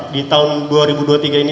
di tahun dua ribu dua puluh tiga ini